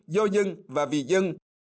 do dân và vì dân